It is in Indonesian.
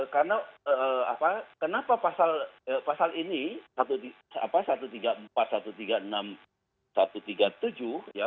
karena apa kenapa pasal ini apa satu ratus tiga puluh empat satu ratus tiga puluh enam satu ratus tiga puluh tujuh ya